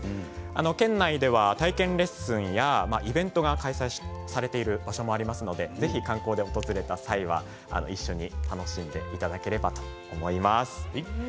県内では体験レッスンやイベントが開催されている場所もありますのでぜひ観光で訪れた際には一緒に楽しんでいただければと思います。